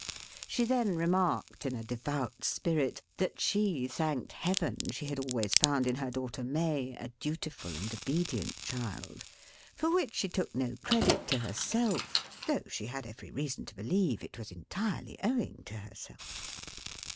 She then remarked, in a devout spirit, that she thanked Heaven she had always found in her daughter May, a dutiful and obedient child; for which she took no credit to herself, though she had every reason to believe it was entirely owing to herself.